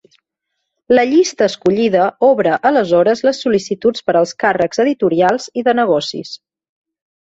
La llista escollida obre aleshores les sol·licituds per als càrrecs editorials i de negocis.